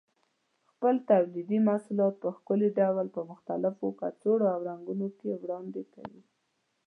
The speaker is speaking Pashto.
خپل تولیدي محصولات په ښکلي ډول په مختلفو کڅوړو او رنګونو کې وړاندې کوي.